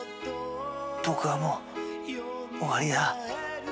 僕はもう終わりだ。